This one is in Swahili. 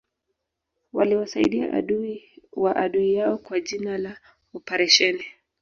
waliwasaidia adui wa adui yao kwa jina la oparesheni